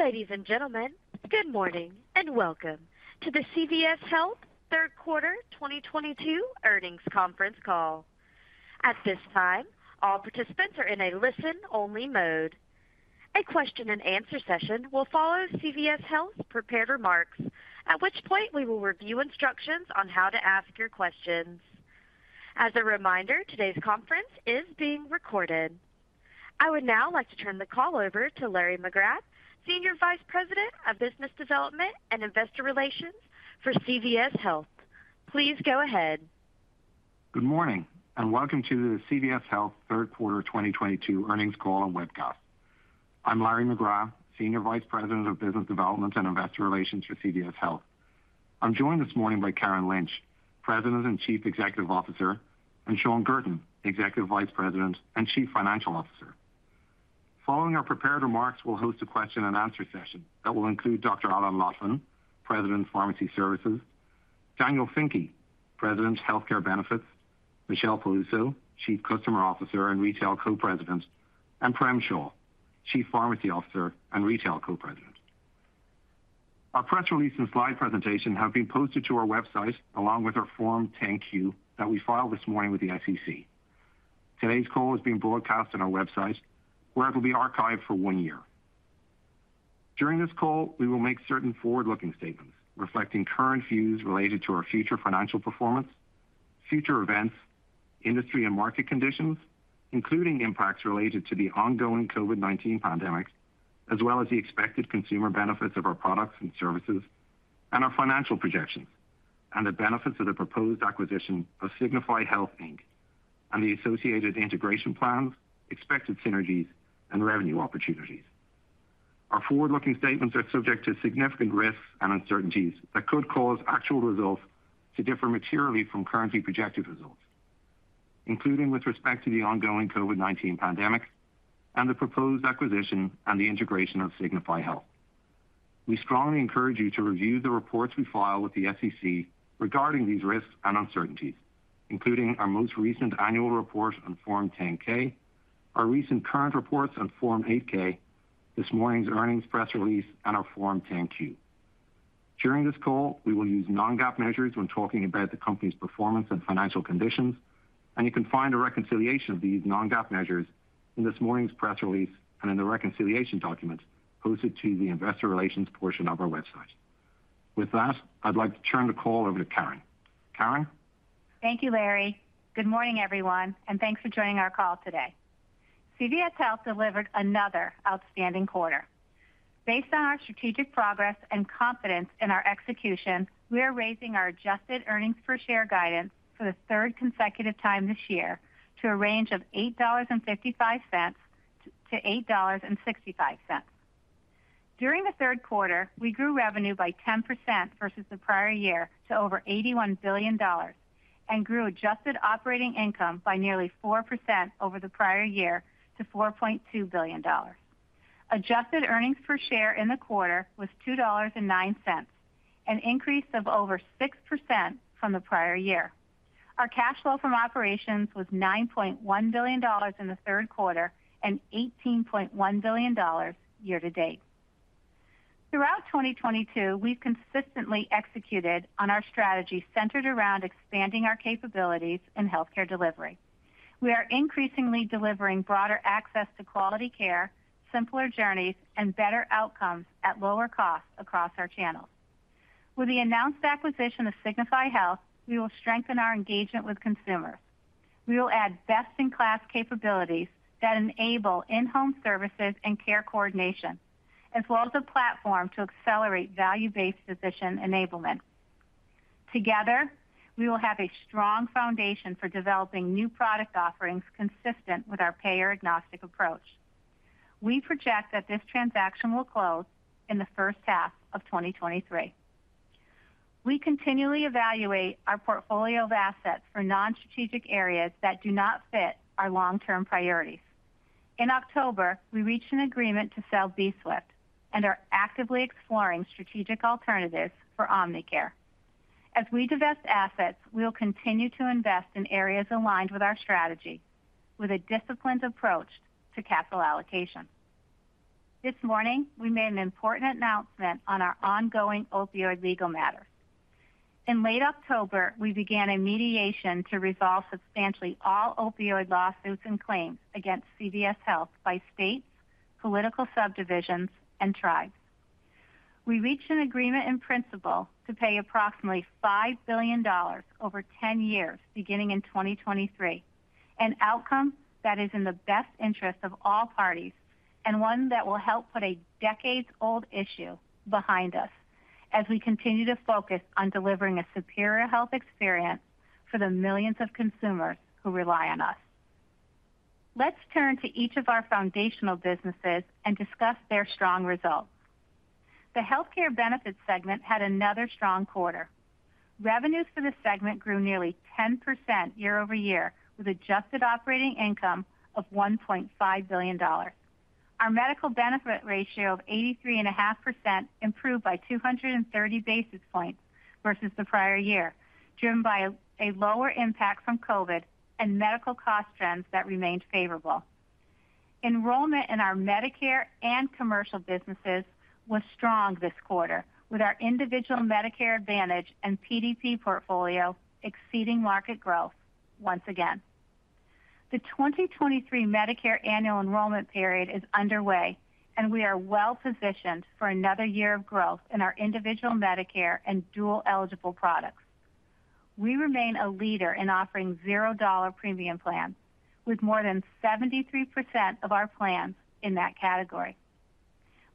Ladies and gentlemen, good morning, and welcome to the CVS Health third quarter 2022 earnings conference call. At this time, all participants are in a listen-only mode. A question-and-answer session will follow CVS Health prepared remarks, at which point we will review instructions on how to ask your questions. As a reminder, today's conference is being recorded. I would now like to turn the call over to Larry McGrath, Senior Vice President of Business Development and Investor Relations for CVS Health. Please go ahead. Good morning, and welcome to the CVS Health third quarter 2022 earnings call and webcast. I'm Larry McGrath, Senior Vice President of Business Development and Investor Relations for CVS Health. I'm joined this morning by Karen Lynch, President and Chief Executive Officer, and Shawn Guertin, Executive Vice President and Chief Financial Officer. Following our prepared remarks, we'll host a question-and-answer session that will include Dr. Alan Lotvin, President of Pharmacy Services, Daniel Finke, President of Healthcare Benefits, Michelle Peluso, Chief Customer Officer and Retail Co-President, and Prem Shah, Chief Pharmacy Officer and Retail Co-President. Our press release and slide presentation have been posted to our website, along with our Form 10-Q that we filed this morning with the SEC. Today's call is being broadcast on our website, where it will be archived for one year. During this call, we will make certain forward-looking statements reflecting current views related to our future financial performance, future events, industry and market conditions, including impacts related to the ongoing COVID-19 pandemic, as well as the expected consumer benefits of our products and services and our financial projections, and the benefits of the proposed acquisition of Signify Health Inc. and the associated integration plans, expected synergies, and revenue opportunities. Our forward-looking statements are subject to significant risks and uncertainties that could cause actual results to differ materially from currently projected results, including with respect to the ongoing COVID-19 pandemic and the proposed acquisition and the integration of Signify Health. We strongly encourage you to review the reports we file with the SEC regarding these risks and uncertainties, including our most recent annual report on Form 10-K, our recent current reports on Form 8-K, this morning's earnings press release, and our Form 10-Q. During this call, we will use non-GAAP measures when talking about the company's performance and financial conditions, and you can find a reconciliation of these non-GAAP measures in this morning's press release and in the reconciliation document posted to the investor relations portion of our website. With that, I'd like to turn the call over to Karen. Karen? Thank you, Larry. Good morning, everyone, and thanks for joining our call today. CVS Health delivered another outstanding quarter. Based on our strategic progress and confidence in our execution, we are raising our adjusted earnings per share guidance for the third consecutive time this year to a range of $8.55-$8.65. During the third quarter, we grew revenue by 10% versus the prior year to over $81 billion and grew adjusted operating income by nearly 4% over the prior year to $4.2 billion. Adjusted earnings per share in the quarter was $2.09, an increase of over 6% from the prior year. Our cash flow from operations was $9.1 billion in the third quarter and $18.1 billion year to date. Throughout 2022, we've consistently executed on our strategy centered around expanding our capabilities in healthcare delivery. We are increasingly delivering broader access to quality care, simpler journeys, and better outcomes at lower costs across our channels. With the announced acquisition of Signify Health, we will strengthen our engagement with consumers. We will add best-in-class capabilities that enable in-home services and care coordination, as well as a platform to accelerate value-based physician enablement. Together, we will have a strong foundation for developing new product offerings consistent with our payer-agnostic approach. We project that this transaction will close in the first half of 2023. We continually evaluate our portfolio of assets for non-strategic areas that do not fit our long-term priorities. In October, we reached an agreement to sell bswift and are actively exploring strategic alternatives for Omnicare. As we divest assets, we will continue to invest in areas aligned with our strategy with a disciplined approach to capital allocation. This morning, we made an important announcement on our ongoing opioid legal matter. In late October, we began a mediation to resolve substantially all opioid lawsuits and claims against CVS Health by states, political subdivisions, and tribes. We reached an agreement in principle to pay approximately $5 billion over 10 years, beginning in 2023, an outcome that is in the best interest of all parties and one that will help put a decades-old issue behind us as we continue to focus on delivering a superior health experience for the millions of consumers who rely on us. Let's turn to each of our foundational businesses and discuss their strong results. The healthcare benefits segment had another strong quarter. Revenues for this segment grew nearly 10% year-over-year, with adjusted operating income of $1.5 billion. Our medical benefit ratio of 83.5% improved by 230 basis points versus the prior year, driven by a lower impact from COVID-19 and medical cost trends that remained favorable. Enrollment in our Medicare and commercial businesses was strong this quarter, with our individual Medicare Advantage and PDP portfolio exceeding market growth once again. The 2023 Medicare annual enrollment period is underway, and we are well-positioned for another year of growth in our individual Medicare and dual-eligible products. We remain a leader in offering zero-dollar premium plans, with more than 73% of our plans in that category.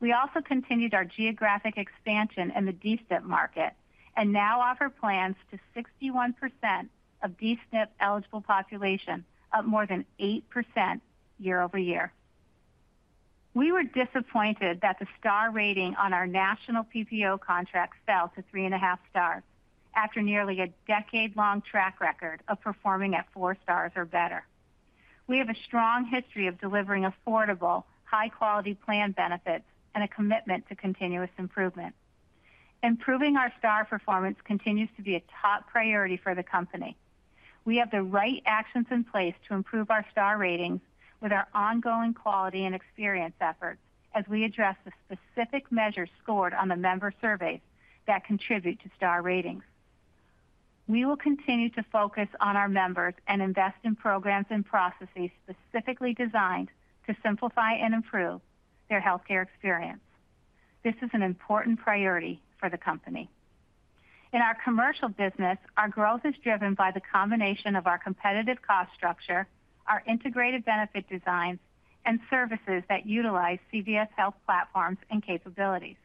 We also continued our geographic expansion in the D-SNP market and now offer plans to 61% of D-SNP-eligible population, up more than 8% year-over-year. We were disappointed that the star rating on our national PPO contract fell to 3.5 stars after nearly a decade-long track record of performing at four stars or better. We have a strong history of delivering affordable, high-quality plan benefits and a commitment to continuous improvement. Improving our star performance continues to be a top priority for the company. We have the right actions in place to improve our star ratings with our ongoing quality and experience efforts as we address the specific measures scored on the member surveys that contribute to star ratings. We will continue to focus on our members and invest in programs and processes specifically designed to simplify and improve their healthcare experience. This is an important priority for the company. In our commercial business, our growth is driven by the combination of our competitive cost structure, our integrated benefit designs, and services that utilize CVS Health platforms and capabilities.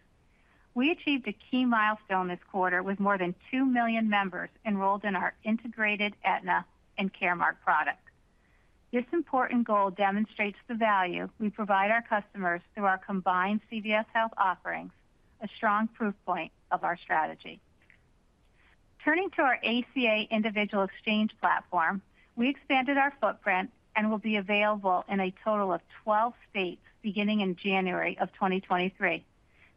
We achieved a key milestone this quarter with more than 2 million members enrolled in our integrated Aetna and Caremark products. This important goal demonstrates the value we provide our customers through our combined CVS Health offerings, a strong proof point of our strategy. Turning to our ACA individual exchange platform, we expanded our footprint and will be available in a total of 12 states beginning in January 2023,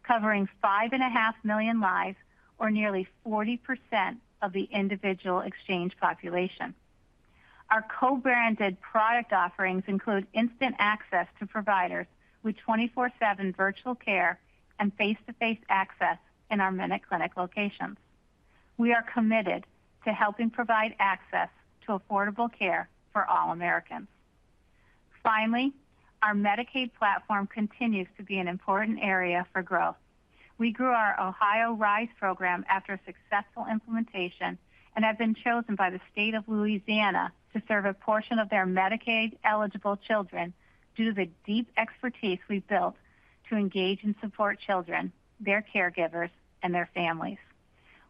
covering 5.5 million lives, or nearly 40% of the individual exchange population. Our co-branded product offerings include instant access to providers with 24/7 virtual care and face-to-face access in our MinuteClinic locations. We are committed to helping provide access to affordable care for all Americans. Finally, our Medicaid platform continues to be an important area for growth. We grew our OhioRISE program after a successful implementation and have been chosen by the state of Louisiana to serve a portion of their Medicaid-eligible children due to the deep expertise we've built to engage and support children, their caregivers, and their families.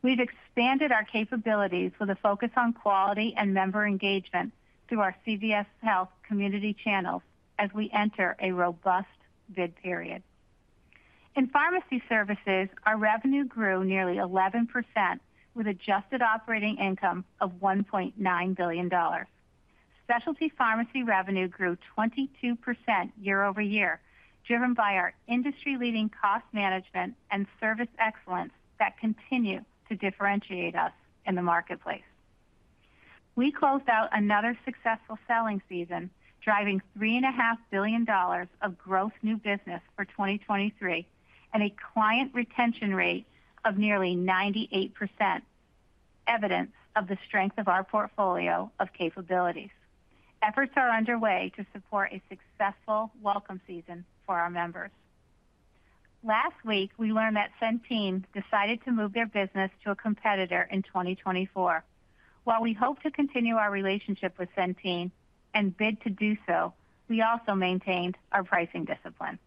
We've expanded our capabilities with a focus on quality and member engagement through our CVS Health community channels as we enter a robust bid period. In pharmacy services, our revenue grew nearly 11%, with adjusted operating income of $1.9 billion. Specialty pharmacy revenue grew 22% year-over-year, driven by our industry-leading cost management and service excellence that continue to differentiate us in the marketplace. We closed out another successful selling season, driving $3.5 billion of gross new business for 2023 and a client retention rate of nearly 98%, evidence of the strength of our portfolio of capabilities. Efforts are underway to support a successful welcome season for our members. Last week, we learned that Centene decided to move their business to a competitor in 2024. While we hope to continue our relationship with Centene and bid to do so, we also maintained our pricing discipline.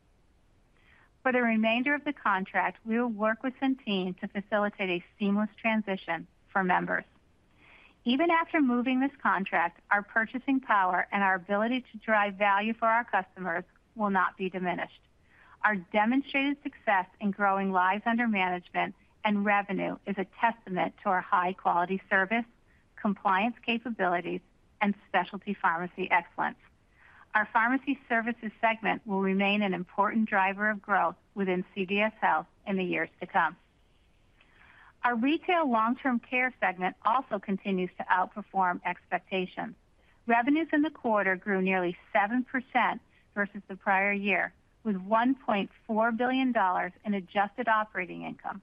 For the remainder of the contract, we will work with Centene to facilitate a seamless transition for members. Even after moving this contract, our purchasing power and our ability to drive value for our customers will not be diminished. Our demonstrated success in growing lives under management and revenue is a testament to our high-quality service, compliance capabilities, and specialty pharmacy excellence. Our pharmacy services segment will remain an important driver of growth within CVS Health in the years to come. Our retail long-term care segment also continues to outperform expectations. Revenues in the quarter grew nearly 7% versus the prior year, with $1.4 billion in adjusted operating income.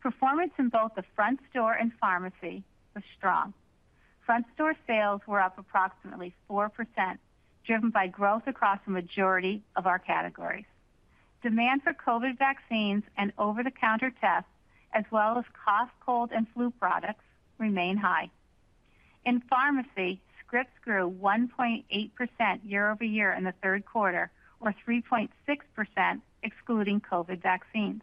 Performance in both the front store and pharmacy was strong. Front store sales were up approximately 4%, driven by growth across the majority of our categories. Demand for COVID vaccines and over-the-counter tests, as well as cough, cold, and flu products, remain high. In pharmacy, scripts grew 1.8% year-over-year in the third quarter, or 3.6% excluding COVID vaccines.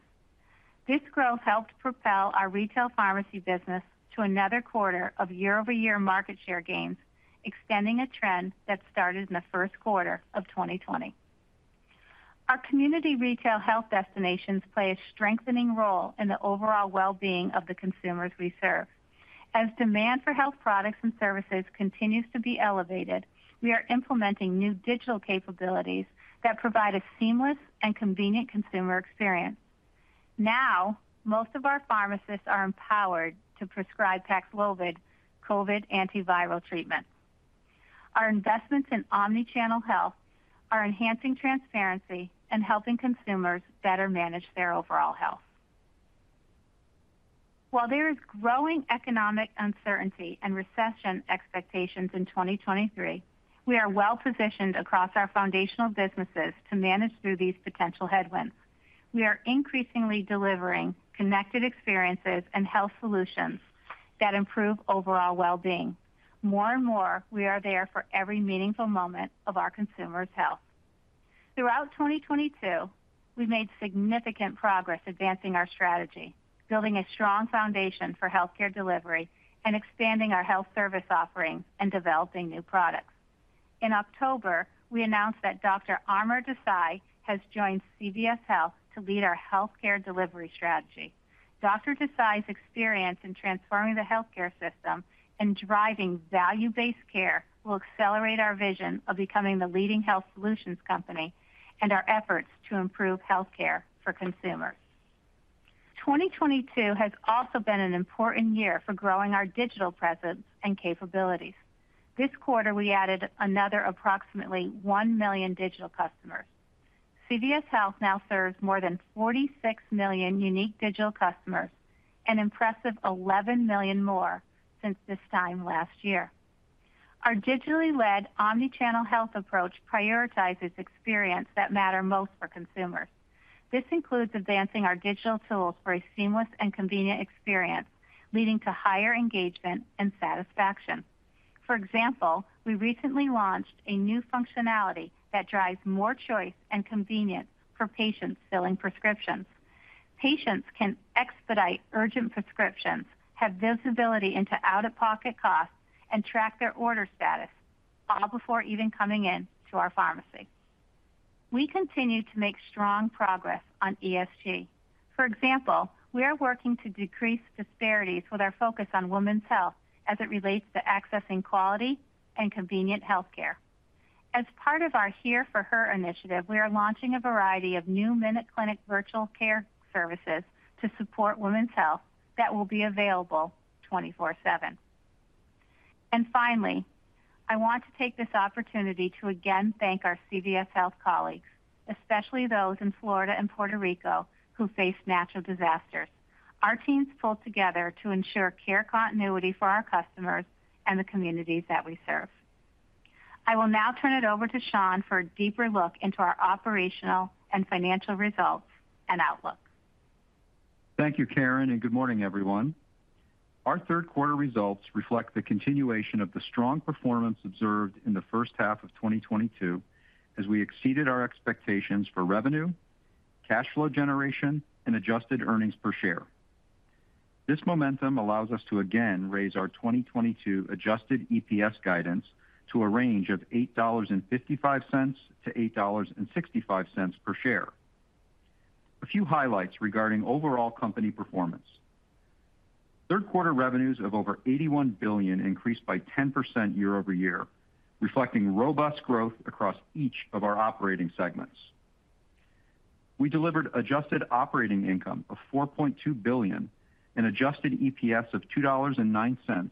This growth helped propel our retail pharmacy business to another quarter of year-over-year market share gains, extending a trend that started in the first quarter of 2020. Our community retail health destinations play a strengthening role in the overall well-being of the consumers we serve. As demand for health products and services continues to be elevated, we are implementing new digital capabilities that provide a seamless and convenient consumer experience. Now, most of our pharmacists are empowered to prescribe Paxlovid COVID-19 antiviral treatment. Our investments in omnichannel health are enhancing transparency and helping consumers better manage their overall health. While there is growing economic uncertainty and recession expectations in 2023, we are well-positioned across our foundational businesses to manage through these potential headwinds. We are increasingly delivering connected experiences and health solutions that improve overall well-being. More and more, we are there for every meaningful moment of our consumers' health. Throughout 2022, we made significant progress advancing our strategy, building a strong foundation for healthcare delivery, and expanding our health service offerings and developing new products. In October, we announced that Dr. Amar Desai has joined CVS Health to lead our healthcare delivery strategy. Dr. Desai's experience in transforming the healthcare system and driving value-based care will accelerate our vision of becoming the leading health solutions company and our efforts to improve healthcare for consumers. 2022 has also been an important year for growing our digital presence and capabilities. This quarter, we added another approximately 1 million digital customers. CVS Health now serves more than 46 million unique digital customers, an impressive 11 million more since this time last year. Our digitally led omnichannel health approach prioritizes experience that matter most for consumers. This includes advancing our digital tools for a seamless and convenient experience, leading to higher engagement and satisfaction. For example, we recently launched a new functionality that drives more choice and convenience for patients filling prescriptions. Patients can expedite urgent prescriptions, have visibility into out-of-pocket costs, and track their order status all before even coming in to our pharmacy. We continue to make strong progress on ESG. For example, we are working to decrease disparities with our focus on women's health as it relates to accessing quality and convenient healthcare. As part of our Here for Her initiative, we are launching a variety of new MinuteClinic virtual care services to support women's health that will be available 24/7. Finally, I want to take this opportunity to again thank our CVS Health colleagues, especially those in Florida and Puerto Rico, who faced natural disasters. Our teams pulled together to ensure care continuity for our customers and the communities that we serve. I will now turn it over to Shawn for a deeper look into our operational and financial results and outlook. Thank you, Karen, and good morning, everyone. Our third quarter results reflect the continuation of the strong performance observed in the first half of 2022, as we exceeded our expectations for revenue, cash flow generation, and adjusted earnings per share. This momentum allows us to again raise our 2022 adjusted EPS guidance to a range of $8.55-$8.65 per share. A few highlights regarding overall company performance. Third quarter revenues of over $81 billion increased by 10% year over year, reflecting robust growth across each of our operating segments. We delivered adjusted operating income of $4.2 billion and adjusted EPS of $2.09,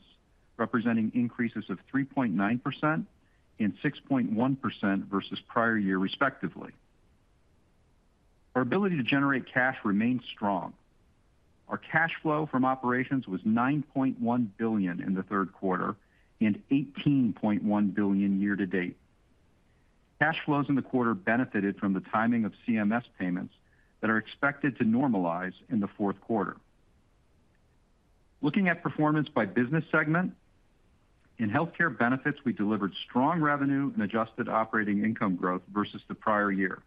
representing increases of 3.9% and 6.1% versus prior year respectively. Our ability to generate cash remains strong. Our cash flow from operations was $9.1 billion in the third quarter and $18.1 billion year to date. Cash flows in the quarter benefited from the timing of CMS payments that are expected to normalize in the fourth quarter. Looking at performance by business segment, in healthcare benefits, we delivered strong revenue and adjusted operating income growth versus the prior year.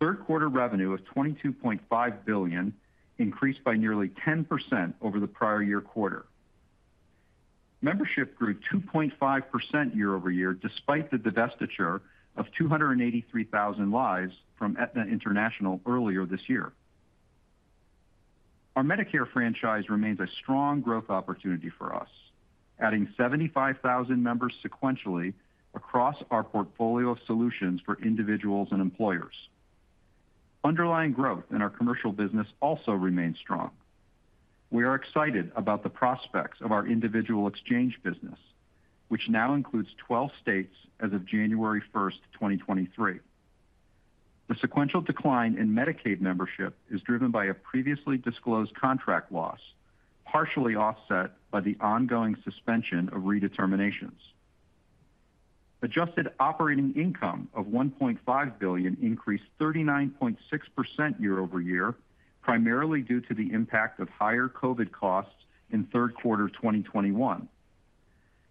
Third quarter revenue of $22.5 billion increased by nearly 10% over the prior year quarter. Membership grew 2.5% year over year, despite the divestiture of 283,000 lives from Aetna International earlier this year. Our Medicare franchise remains a strong growth opportunity for us, adding 75,000 members sequentially across our portfolio of solutions for individuals and employers. Underlying growth in our commercial business also remains strong. We are excited about the prospects of our individual exchange business, which now includes 12 states as of January 1, 2023. The sequential decline in Medicaid membership is driven by a previously disclosed contract loss, partially offset by the ongoing suspension of redeterminations. Adjusted operating income of $1.5 billion increased 39.6% year-over-year, primarily due to the impact of higher COVID costs in third quarter 2021.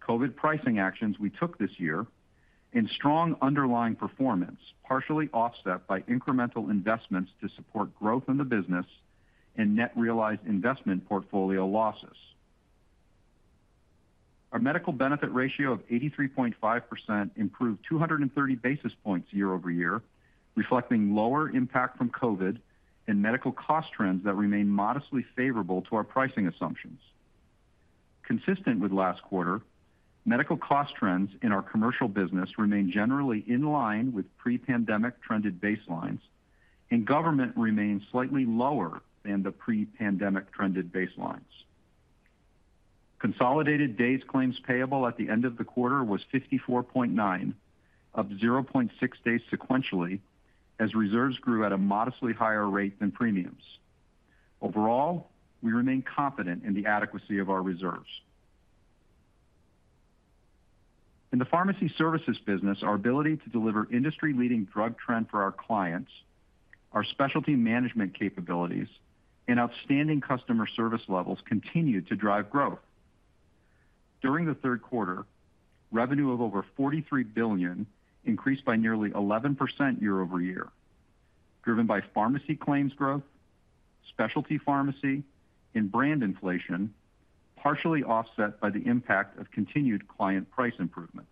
COVID pricing actions we took this year and strong underlying performance, partially offset by incremental investments to support growth in the business and net realized investment portfolio losses. Our medical benefit ratio of 83.5% improved 230 basis points year-over-year, reflecting lower impact from COVID and medical cost trends that remain modestly favorable to our pricing assumptions. Consistent with last quarter, medical cost trends in our commercial business remain generally in line with pre-pandemic trended baselines, and government remains slightly lower than the pre-pandemic trended baselines. Consolidated days claims payable at the end of the quarter was 54.9, up 0.6 days sequentially as reserves grew at a modestly higher rate than premiums. Overall, we remain confident in the adequacy of our reserves. In the pharmacy services business, our ability to deliver industry-leading drug trend for our clients, our specialty management capabilities, and outstanding customer service levels continue to drive growth. During the third quarter, revenue of over $43 billion increased by nearly 11% year-over-year, driven by pharmacy claims growth, specialty pharmacy, and brand inflation, partially offset by the impact of continued client price improvements.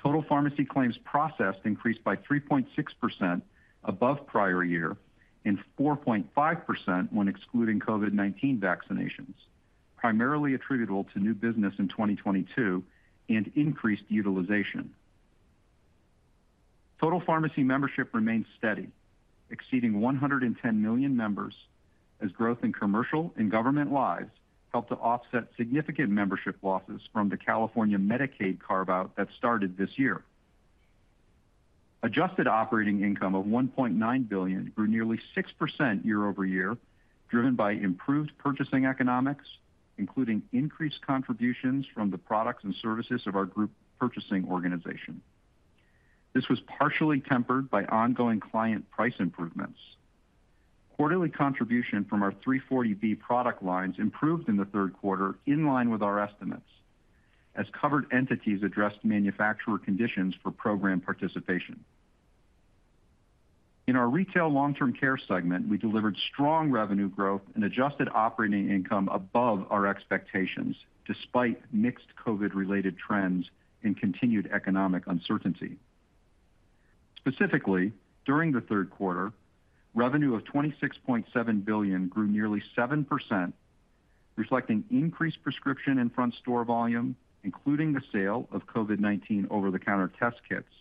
Total pharmacy claims processed increased by 3.6% above prior year and 4.5% when excluding COVID-19 vaccinations, primarily attributable to new business in 2022 and increased utilization. Total pharmacy membership remained steady, exceeding 110 million members as growth in commercial and government lives helped to offset significant membership losses from the California Medicaid carve-out that started this year. Adjusted operating income of $1.9 billion grew nearly 6% year-over-year, driven by improved purchasing economics, including increased contributions from the products and services of our group purchasing organization. This was partially tempered by ongoing client price improvements. Quarterly contribution from our 340B product lines improved in the third quarter in line with our estimates as covered entities addressed manufacturer conditions for program participation. In our retail long-term care segment, we delivered strong revenue growth and adjusted operating income above our expectations despite mixed COVID-related trends and continued economic uncertainty. Specifically, during the third quarter, revenue of $26.7 billion grew nearly 7%, reflecting increased prescriptions and front store volume, including the sale of COVID-19 over-the-counter test kits,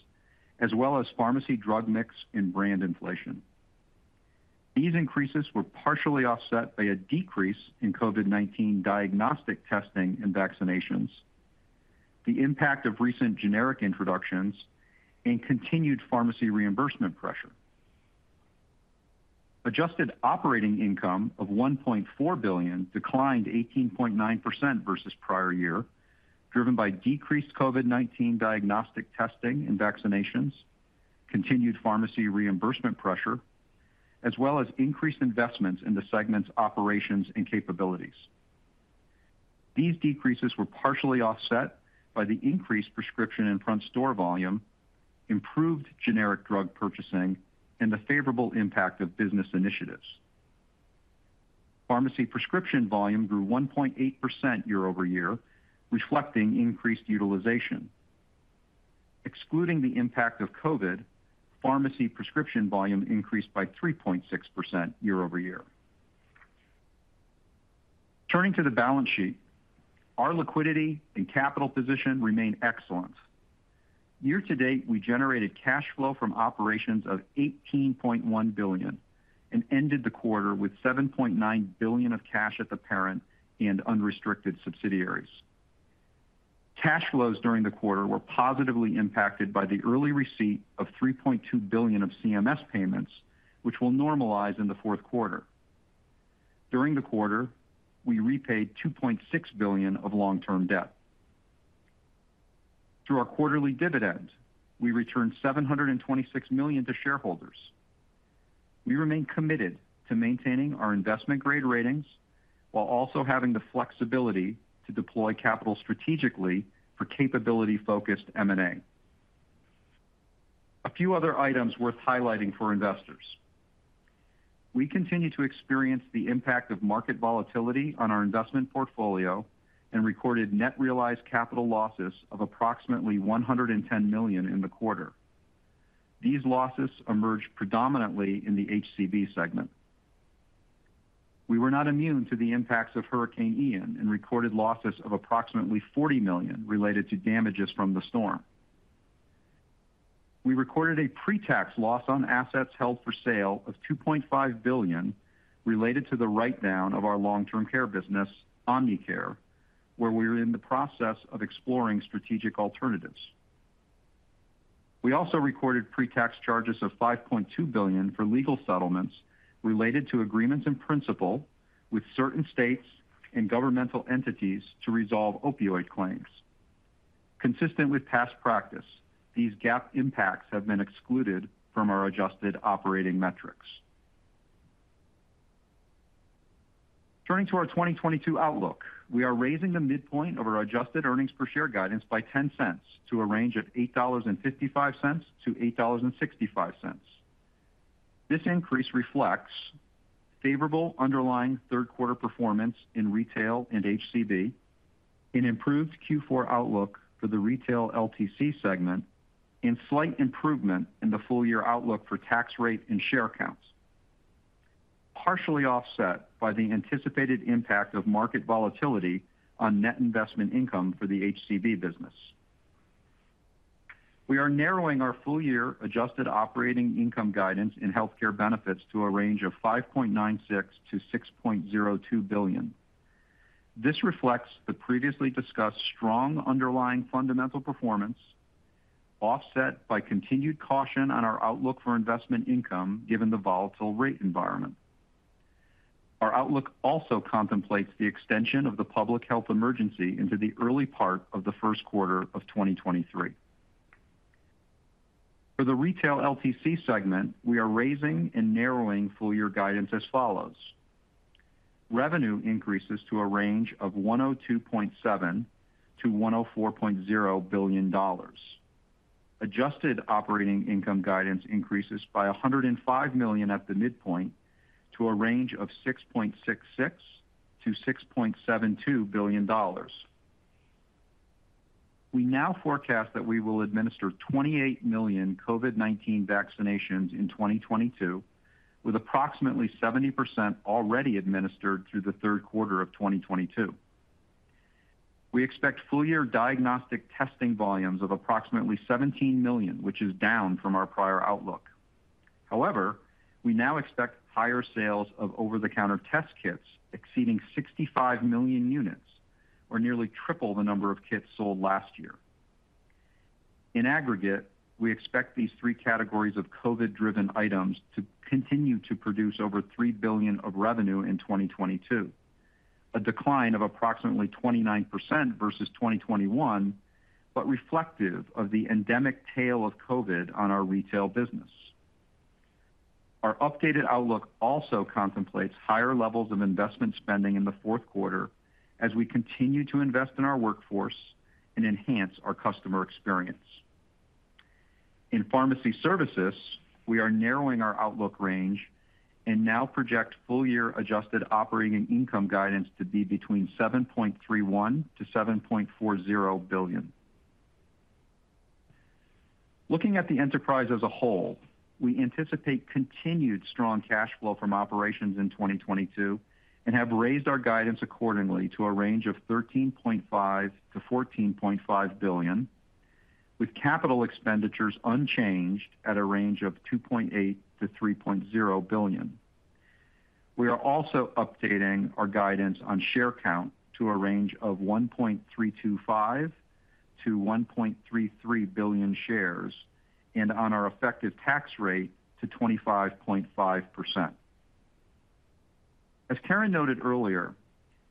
as well as pharmacy drug mix and brand inflation. These increases were partially offset by a decrease in COVID-19 diagnostic testing and vaccinations, the impact of recent generic introductions, and continued pharmacy reimbursement pressure. Adjusted operating income of $1.4 billion declined 18.9% versus prior year, driven by decreased COVID-19 diagnostic testing and vaccinations, continued pharmacy reimbursement pressure, as well as increased investments in the segment's operations and capabilities. These decreases were partially offset by the increased prescriptions and front store volume, improved generic drug purchasing, and the favorable impact of business initiatives. Pharmacy prescription volume grew 1.8% year-over-year, reflecting increased utilization. Excluding the impact of COVID, pharmacy prescription volume increased by 3.6% year-over-year. Turning to the balance sheet, our liquidity and capital position remain excellent. Year to date, we generated cash flow from operations of $18.1 billion and ended the quarter with $7.9 billion of cash at the parent and unrestricted subsidiaries. Cash flows during the quarter were positively impacted by the early receipt of $3.2 billion of CMS payments, which will normalize in the fourth quarter. During the quarter, we repaid $2.6 billion of long-term debt. Through our quarterly dividend, we returned $726 million to shareholders. We remain committed to maintaining our investment grade ratings while also having the flexibility to deploy capital strategically for capability-focused M&A. A few other items worth highlighting for investors. We continue to experience the impact of market volatility on our investment portfolio and recorded net realized capital losses of approximately $110 million in the quarter. These losses emerged predominantly in the HCB segment. We were not immune to the impacts of Hurricane Ian and recorded losses of approximately $40 million related to damages from the storm. We recorded a pre-tax loss on assets held for sale of $2.5 billion related to the write-down of our long-term care business, Omnicare, where we are in the process of exploring strategic alternatives. We also recorded pre-tax charges of $5.2 billion for legal settlements related to agreements in principle with certain states and governmental entities to resolve opioid claims. Consistent with past practice, these GAAP impacts have been excluded from our adjusted operating metrics. Turning to our 2022 outlook, we are raising the midpoint of our adjusted earnings per share guidance by $0.10 to a range of $8.55-$8.65. This increase reflects favorable underlying third quarter performance in retail and HCB. An improved Q4 outlook for the retail LTC segment and slight improvement in the full-year outlook for tax rate and share counts, partially offset by the anticipated impact of market volatility on net investment income for the HCB business. We are narrowing our full-year adjusted operating income guidance in healthcare benefits to a range of $5.96 billion-$6.02 billion. This reflects the previously discussed strong underlying fundamental performance, offset by continued caution on our outlook for investment income given the volatile rate environment. Our outlook also contemplates the extension of the public health emergency into the early part of the first quarter of 2023. For the retail LTC segment, we are raising and narrowing full-year guidance as follows. Revenue increases to a range of $102.7 billion-$104.0 billion. Adjusted operating income guidance increases by $105 million at the midpoint to a range of $6.66 billion-$6.72 billion. We now forecast that we will administer 28 million COVID-19 vaccinations in 2022, with approximately 70% already administered through the third quarter of 2022. We expect full-year diagnostic testing volumes of approximately 17 million, which is down from our prior outlook. However, we now expect higher sales of over-the-counter test kits exceeding 65 million units or nearly triple the number of kits sold last year. In aggregate, we expect these three categories of COVID-driven items to continue to produce over $3 billion of revenue in 2022, a decline of approximately 29% versus 2021, but reflective of the endemic tail of COVID on our retail business. Our updated outlook also contemplates higher levels of investment spending in the fourth quarter as we continue to invest in our workforce and enhance our customer experience. In pharmacy services, we are narrowing our outlook range and now project full-year adjusted operating income guidance to be between $7.31-$7.40 billion. Looking at the enterprise as a whole, we anticipate continued strong cash flow from operations in 2022 and have raised our guidance accordingly to a range of $13.5 billion-$14.5 billion, with capital expenditures unchanged at a range of $2.8 billion-$3.0 billion. We are also updating our guidance on share count to a range of $1.325 billion-$1.33 billion shares, and on our effective tax rate to 25.5%. As Karen noted earlier,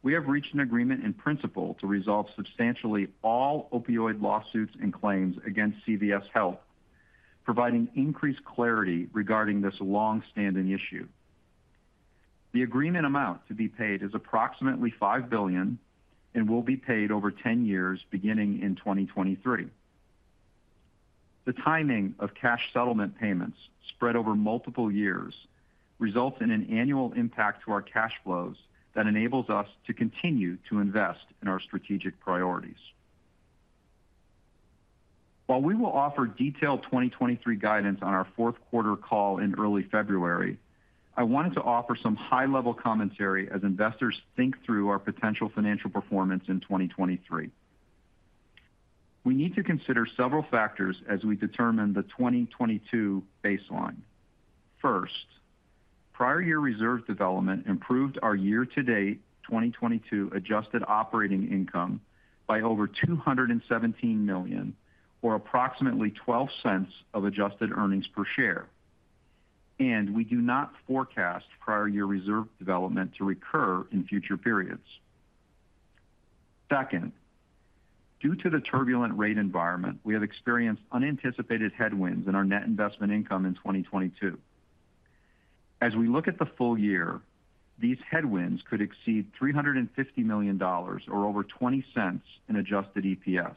we have reached an agreement in principle to resolve substantially all opioid lawsuits and claims against CVS Health, providing increased clarity regarding this long-standing issue. The agreement amount to be paid is approximately $5 billion and will be paid over 10 years beginning in 2023. The timing of cash settlement payments spread over multiple years results in an annual impact to our cash flows that enables us to continue to invest in our strategic priorities. While we will offer detailed 2023 guidance on our fourth quarter call in early February, I wanted to offer some high-level commentary as investors think through our potential financial performance in 2023. We need to consider several factors as we determine the 2022 baseline. First, prior year reserve development improved our year-to-date 2022 adjusted operating income by over $217 million or approximately $0.12 of adjusted earnings per share. We do not forecast prior year reserve development to recur in future periods. Second, due to the turbulent rate environment, we have experienced unanticipated headwinds in our net investment income in 2022. As we look at the full year, these headwinds could exceed $350 million or over $0.20 in adjusted EPS.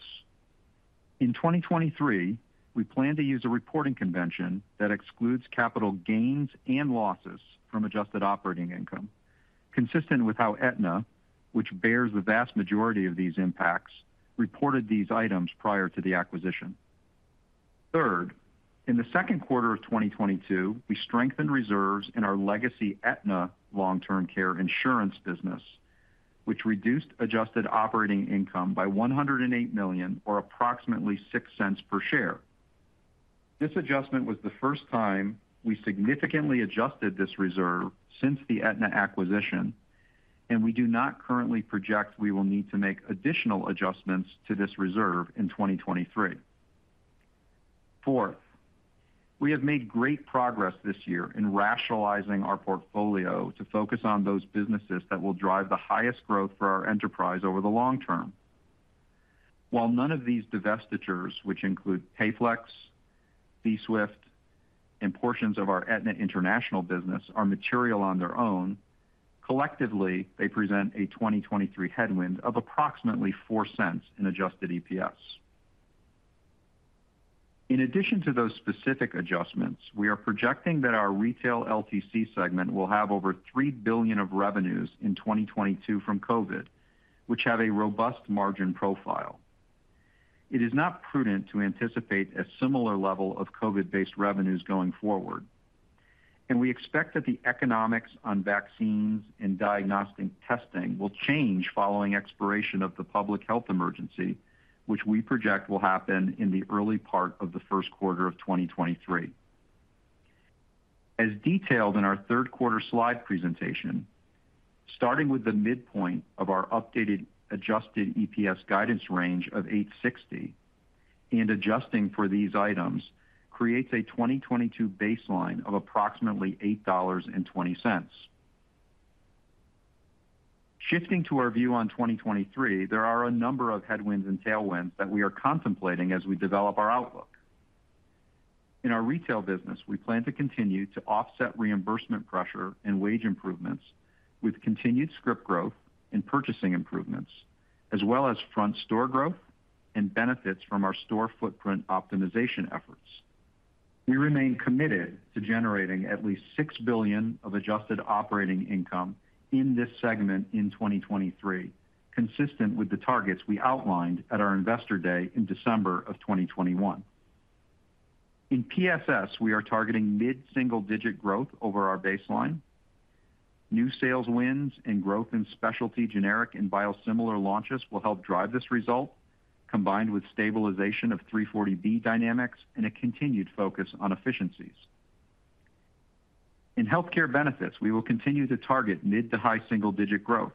In 2023, we plan to use a reporting convention that excludes capital gains and losses from adjusted operating income, consistent with how Aetna, which bears the vast majority of these impacts, reported these items prior to the acquisition. Third, in the second quarter of 2022, we strengthened reserves in our legacy Aetna long-term care insurance business, which reduced adjusted operating income by $108 million or approximately $0.06 per share. This adjustment was the first time we significantly adjusted this reserve since the Aetna acquisition, and we do not currently project we will need to make additional adjustments to this reserve in 2023. Fourth, we have made great progress this year in rationalizing our portfolio to focus on those businesses that will drive the highest growth for our enterprise over the long term. While none of these divestitures, which include PayFlex, bswift, and portions of our Aetna International business, are material on their own, collectively, they present a 2023 headwind of approximately $0.04 in adjusted EPS. In addition to those specific adjustments, we are projecting that our retail LTC segment will have over $3 billion of revenues in 2022 from COVID, which have a robust margin profile. It is not prudent to anticipate a similar level of COVID-based revenues going forward, and we expect that the economics on vaccines and diagnostic testing will change following expiration of the public health emergency, which we project will happen in the early part of the first quarter of 2023. As detailed in our third quarter slide presentation, starting with the midpoint of our updated adjusted EPS guidance range of $8.60 and adjusting for these items creates a 2022 baseline of approximately $8.20. Shifting to our view on 2023, there are a number of headwinds and tailwinds that we are contemplating as we develop our outlook. In our retail business, we plan to continue to offset reimbursement pressure and wage improvements with continued script growth and purchasing improvements, as well as front store growth and benefits from our store footprint optimization efforts. We remain committed to generating at least $6 billion of adjusted operating income in this segment in 2023, consistent with the targets we outlined at our Investor Day in December of 2021. In PSS, we are targeting mid-single-digit growth over our baseline. New sales wins and growth in specialty generic and biosimilar launches will help drive this result, combined with stabilization of 340B dynamics and a continued focus on efficiencies. In healthcare benefits, we will continue to target mid- to high-single-digit growth.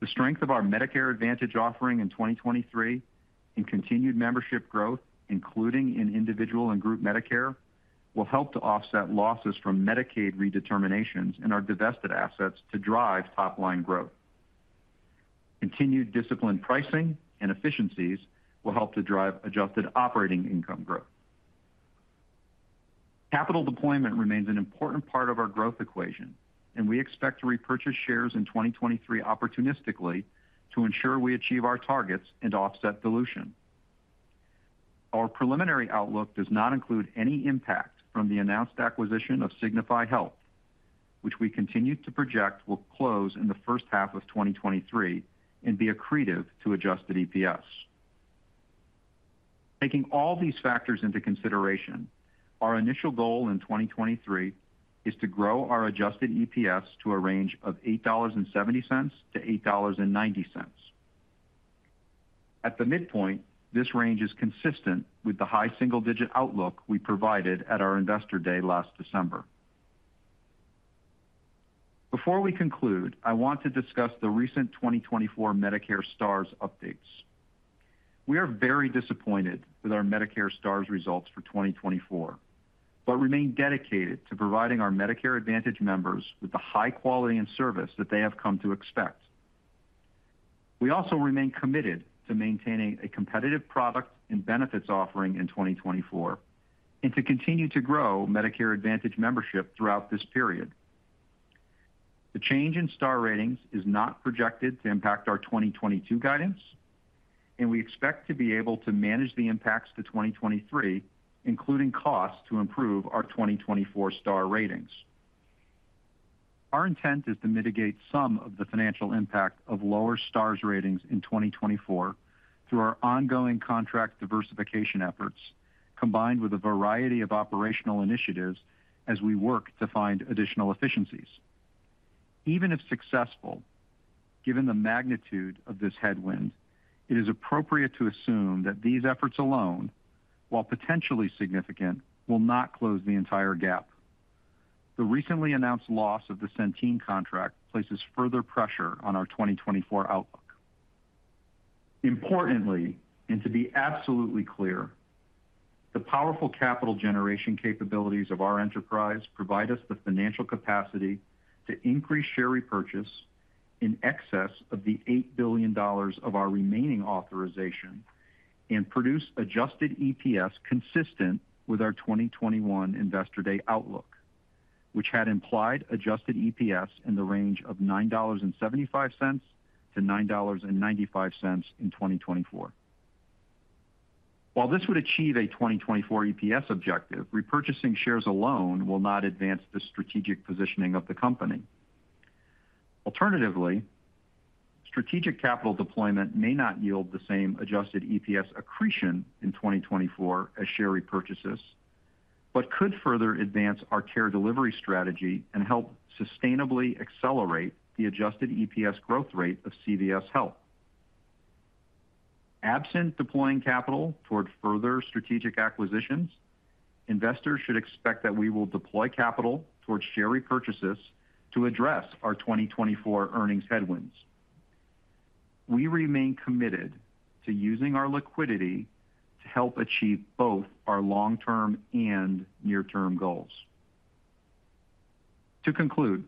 The strength of our Medicare Advantage offering in 2023 and continued membership growth, including in individual and group Medicare, will help to offset losses from Medicaid redeterminations and our divested assets to drive top-line growth. Continued disciplined pricing and efficiencies will help to drive adjusted operating income growth. Capital deployment remains an important part of our growth equation, and we expect to repurchase shares in 2023 opportunistically to ensure we achieve our targets and to offset dilution. Our preliminary outlook does not include any impact from the announced acquisition of Signify Health, which we continue to project will close in the first half of 2023 and be accretive to adjusted EPS. Taking all these factors into consideration, our initial goal in 2023 is to grow our adjusted EPS to a range of $8.70-$8.90. At the midpoint, this range is consistent with the high single-digit outlook we provided at our Investor Day last December. Before we conclude, I want to discuss the recent 2024 Medicare stars updates. We are very disappointed with our Medicare stars results for 2024, but remain dedicated to providing our Medicare Advantage members with the high quality and service that they have come to expect. We also remain committed to maintaining a competitive product and benefits offering in 2024 and to continue to grow Medicare Advantage membership throughout this period. The change in star ratings is not projected to impact our 2022 guidance, and we expect to be able to manage the impacts to 2023, including costs, to improve our 2024 star ratings. Our intent is to mitigate some of the financial impact of lower star ratings in 2024 through our ongoing contract diversification efforts, combined with a variety of operational initiatives as we work to find additional efficiencies. Even if successful, given the magnitude of this headwind, it is appropriate to assume that these efforts alone, while potentially significant, will not close the entire gap. The recently announced loss of the Centene contract places further pressure on our 2024 outlook. Importantly, and to be absolutely clear, the powerful capital generation capabilities of our enterprise provide us the financial capacity to increase share repurchase in excess of the $8 billion of our remaining authorization and produce adjusted EPS consistent with our 2021 Investor Day outlook, which had implied adjusted EPS in the range of $9.75-$9.95 in 2024. While this would achieve a 2024 EPS objective, repurchasing shares alone will not advance the strategic positioning of the company. Alternatively, strategic capital deployment may not yield the same adjusted EPS accretion in 2024 as share repurchases, but could further advance our care delivery strategy and help sustainably accelerate the adjusted EPS growth rate of CVS Health. Absent deploying capital toward further strategic acquisitions, investors should expect that we will deploy capital towards share repurchases to address our 2024 earnings headwinds. We remain committed to using our liquidity to help achieve both our long-term and near-term goals. To conclude,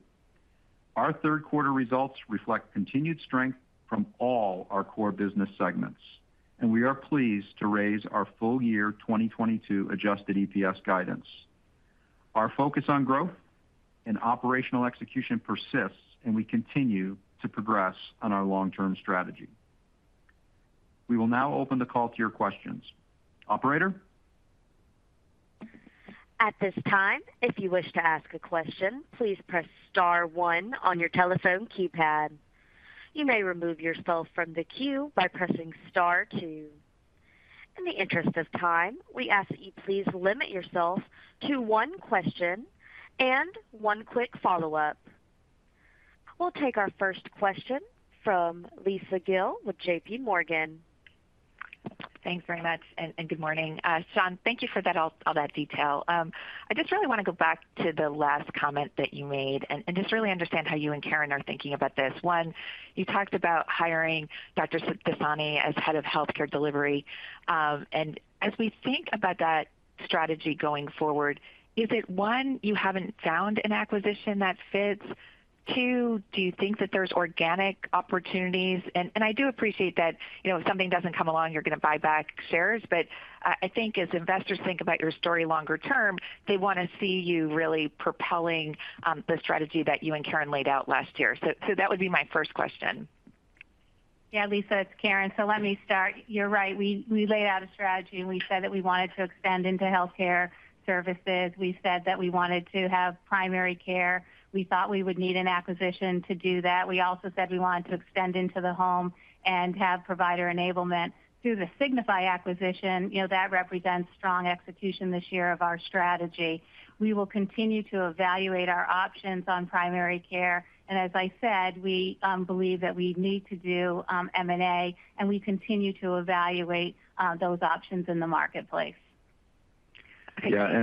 our third quarter results reflect continued strength from all our core business segments, and we are pleased to raise our full year 2022 adjusted EPS guidance. Our focus on growth and operational execution persists, and we continue to progress on our long-term strategy. We will now open the call to your questions. Operator? At this time, if you wish to ask a question, please press star one on your telephone keypad. You may remove yourself from the queue by pressing star two. In the interest of time, we ask that you please limit yourself to one question and one quick follow-up. We'll take our first question from Lisa Gill with JPMorgan. Thanks very much, and good morning. Shawn, thank you for that all that detail. I just really want to go back to the last comment that you made and just really understand how you and Karen are thinking about this. One, you talked about hiring Dr. Amar Desai as head of Health Care Delivery. As we think about that strategy going forward, is it one, you haven't found an acquisition that fits? Two, do you think that there's organic opportunities? I do appreciate that, you know, if something doesn't come along, you're gonna buy back shares. But I think as investors think about your story longer term, they wanna see you really propelling the strategy that you and Karen laid out last year. That would be my first question. Yeah, Lisa, it's Karen. Let me start. You're right. We laid out a strategy, and we said that we wanted to expand into healthcare services. We said that we wanted to have primary care. We thought we would need an acquisition to do that. We also said we wanted to extend into the home and have provider enablement through the Signify Health acquisition. You know, that represents strong execution this year of our strategy. We will continue to evaluate our options on primary care, and as I said, we believe that we need to do M&A, and we continue to evaluate those options in the marketplace. Okay. Yeah,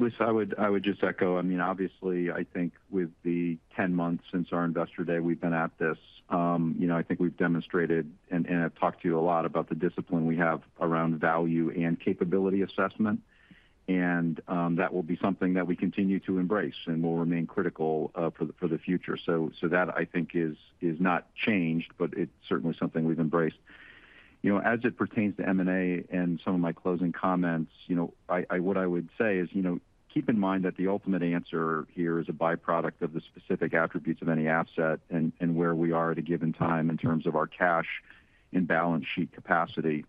Lisa, I would just echo. I mean, obviously, I think with the 10 months since our Investor Day we've been at this, you know, I think we've demonstrated and I've talked to you a lot about the discipline we have around value and capability assessment. That will be something that we continue to embrace and will remain critical for the future. That I think is not changed, but it's certainly something we've embraced. You know, as it pertains to M&A and some of my closing comments, you know, what I would say is, you know, keep in mind that the ultimate answer here is a by-product of the specific attributes of any asset and where we are at a given time in terms of our cash and balance sheet capacity.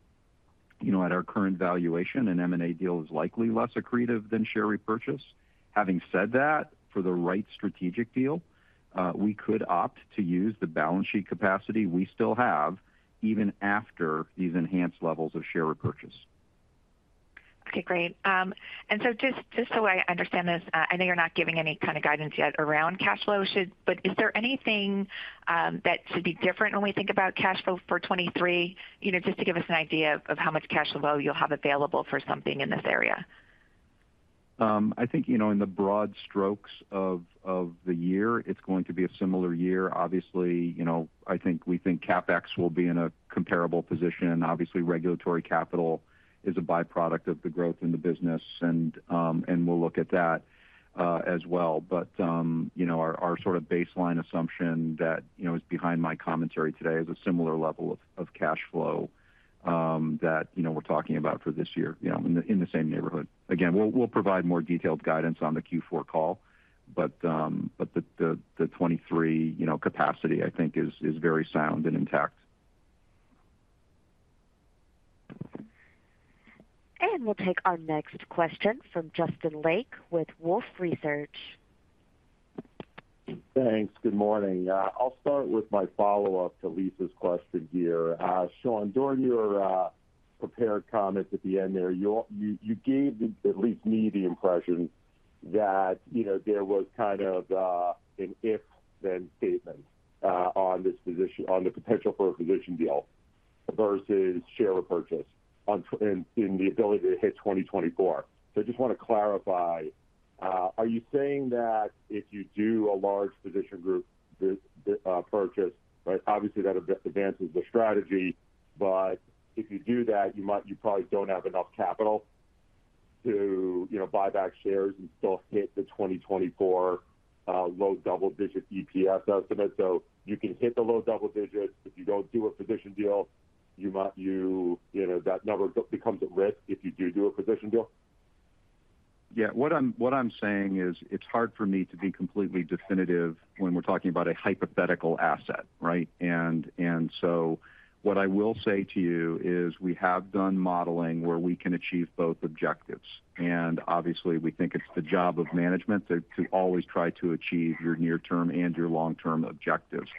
You know, at our current valuation, an M&A deal is likely less accretive than share repurchase. Having said that, for the right strategic deal, we could opt to use the balance sheet capacity we still have even after these enhanced levels of share repurchase. Okay, great. Just so I understand this, I know you're not giving any kind of guidance yet around cash flow, but is there anything that should be different when we think about cash flow for 2023? You know, just to give us an idea of how much cash flow you'll have available for something in this area. I think, you know, in the broad strokes of the year, it's going to be a similar year. Obviously, you know, I think we think CapEx will be in a comparable position, and obviously regulatory capital is a by-product of the growth in the business and we'll look at that as well. You know, our sort of baseline assumption that, you know, is behind my commentary today is a similar level of cash flow that, you know, we're talking about for this year, you know, in the same neighborhood. Again, we'll provide more detailed guidance on the Q4 call, but the 2023 capacity, I think is very sound and intact. We'll take our next question from Justin Lake with Wolfe Research. Thanks. Good morning. I'll start with my follow-up to Lisa's question here. Shawn, during your prepared comments at the end there, you gave at least me the impression that, you know, there was kind of an if/then statement on this acquisition on the potential for an acquisition deal versus share repurchase in the ability to hit 2024. I just wanna clarify, are you saying that if you do a large physician group purchase, right, obviously that advances the strategy, but if you do that, you probably don't have enough capital to, you know, buy back shares and still hit the 2024 low double-digit EPS estimate? You can hit the low double digits if you don't do a physician deal. You know, that number becomes at risk if you do a physician deal? Yeah. What I'm saying is it's hard for me to be completely definitive when we're talking about a hypothetical asset, right? What I will say to you is we have done modeling where we can achieve both objectives. Obviously, we think it's the job of management to always try to achieve your near-term and your long-term objectives.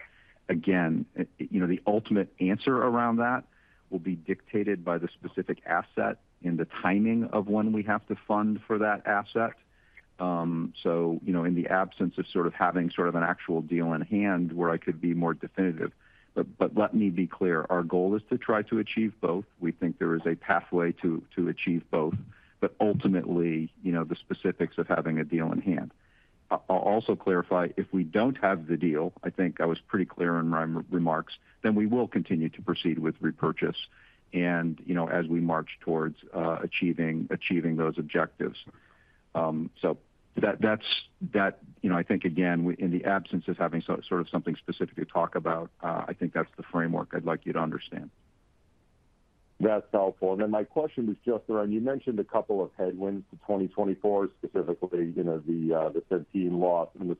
Again, you know, the ultimate answer around that will be dictated by the specific asset and the timing of when we have to fund for that asset. So, you know, in the absence of sort of having sort of an actual deal in hand where I could be more definitive. Let me be clear, our goal is to try to achieve both. We think there is a pathway to achieve both, but ultimately, you know, the specifics of having a deal in hand. I'll also clarify, if we don't have the deal, I think I was pretty clear in my remarks, then we will continue to proceed with repurchase and, you know, as we march towards achieving those objectives. That's, you know, I think again, in the absence of having sort of something specific to talk about, I think that's the framework I'd like you to understand. That's helpful. Then my question was just around, you mentioned a couple of headwinds to 2024, specifically, you know, the Centene loss and the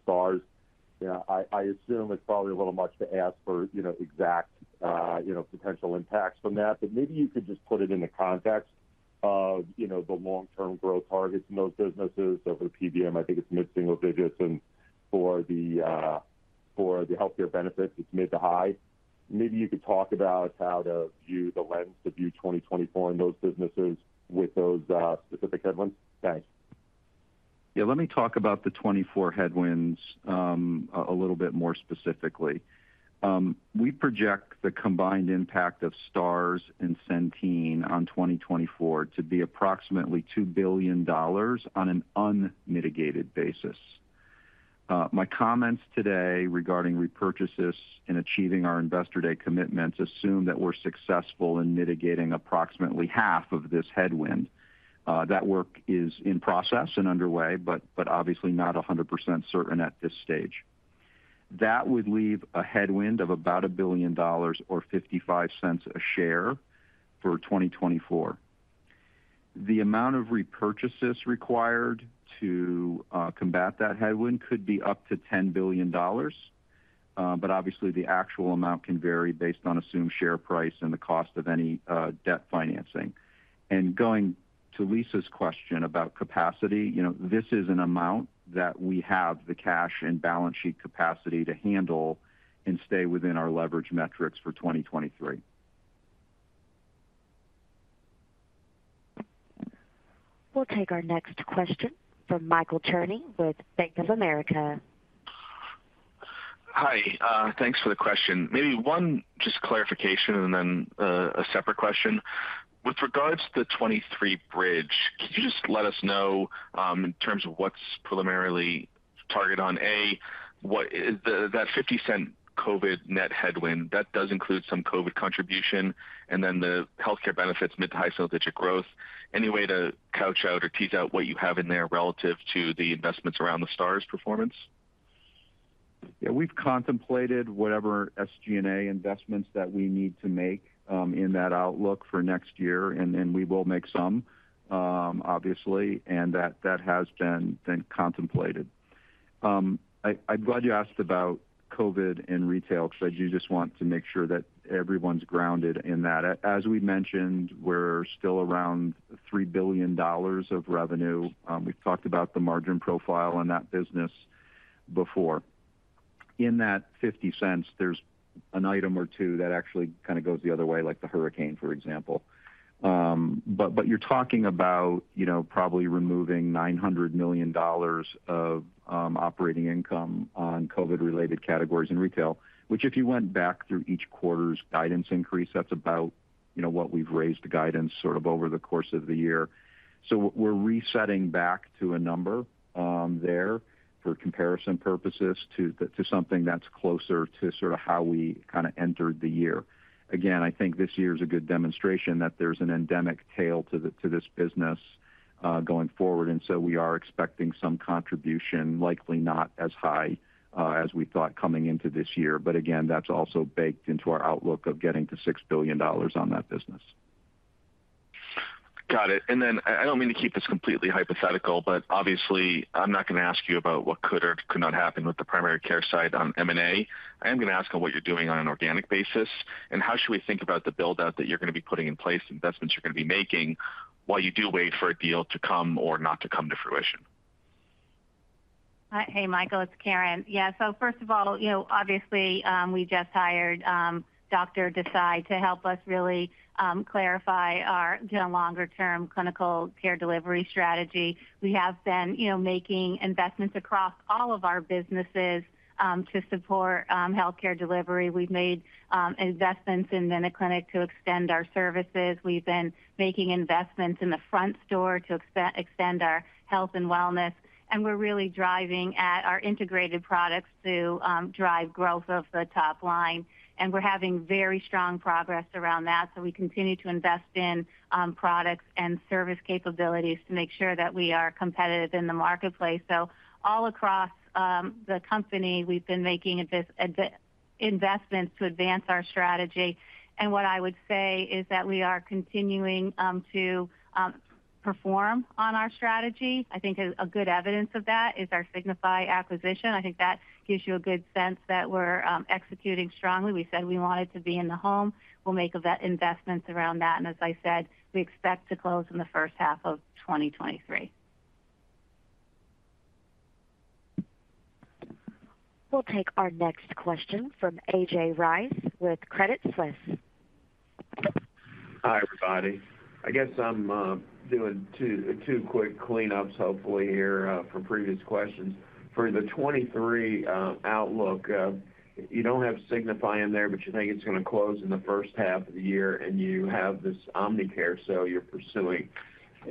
Stars. I assume it's probably a little much to ask for, you know, exact, you know, potential impacts from that, but maybe you could just put it in the context of, you know, the long-term growth targets in those businesses. For the PBM, I think it's mid-single digits, and for the Health Care Benefits, it's mid to high. Maybe you could talk about how to view the lens to view 2024 in those businesses with those specific headwinds. Thanks. Yeah, let me talk about the 2024 headwinds a little bit more specifically. We project the combined impact of Stars and Centene on 2024 to be approximately $2 billion on an unmitigated basis. My comments today regarding repurchases and achieving our Investor Day commitments assume that we're successful in mitigating approximately half of this headwind. That work is in process and underway, but obviously not 100% certain at this stage. That would leave a headwind of about $1 billion or $0.55 a share for 2024. The amount of repurchases required to combat that headwind could be up to $10 billion, but obviously, the actual amount can vary based on assumed share price and the cost of any debt financing. Going to Lisa's question about capacity, you know, this is an amount that we have the cash and balance sheet capacity to handle and stay within our leverage metrics for 2023. We'll take our next question from Michael Cherny with Bank of America. Hi. Thanks for the question. Maybe one just clarification and then a separate question. With regards to the 2023 bridge, could you just let us know, in terms of what's preliminarily targeted on a, what is the $0.50 COVID net headwind, that does include some COVID contribution, and then the healthcare benefits mid to high percentage growth. Any way to call out or tease out what you have in there relative to the investments around the Stars performance? Yeah. We've contemplated whatever SG&A investments that we need to make in that outlook for next year, and we will make some, obviously, and that has been contemplated. I'm glad you asked about COVID and retail because I do just want to make sure that everyone's grounded in that. As we mentioned, we're still around $3 billion of revenue. We've talked about the margin profile in that business before. In that $0.50, there's an item or two that actually kind of goes the other way, like the hurricane, for example. But you're talking about, you know, probably removing $900 million of operating income on COVID-related categories in retail, which if you went back through each quarter's guidance increase, that's about, you know, what we've raised the guidance sort of over the course of the year. We're resetting back to a number there for comparison purposes to something that's closer to sort of how we kind of entered the year. Again, I think this year is a good demonstration that there's an endemic tail to this business going forward, and so we are expecting some contribution, likely not as high as we thought coming into this year. Again, that's also baked into our outlook of getting to $6 billion on that business. Got it. I don't mean to keep this completely hypothetical, but obviously I'm not gonna ask you about what could or could not happen with the primary care side on M&A. I am gonna ask on what you're doing on an organic basis and how should we think about the build-out that you're gonna be putting in place, investments you're gonna be making while you do wait for a deal to come or not to come to fruition. Hey, Michael, it's Karen. First of all, you know, obviously, we just hired Dr. Desai to help us really clarify our, you know, longer term clinical care delivery strategy. We have been, you know, making investments across all of our businesses to support healthcare delivery. We've made investments in MinuteClinic to extend our services. We've been making investments in the front store to extend our health and wellness, and we're really driving at our integrated products to drive growth of the top line. We're having very strong progress around that. We continue to invest in products and service capabilities to make sure that we are competitive in the marketplace. All across the company, we've been making investments to advance our strategy. What I would say is that we are continuing to perform on our strategy. I think a good evidence of that is our Signify Health acquisition. I think that gives you a good sense that we're executing strongly. We said we wanted to be in the home. We'll make investments around that. As I said, we expect to close in the first half of 2023. We'll take our next question from A.J. Rice with Credit Suisse. Hi, everybody. I guess I'm doing two quick cleanups hopefully here from previous questions. For the 2023 outlook, you don't have Signify in there, but you think it's gonna close in the first half of the year, and you have this Omnicare sale you're pursuing.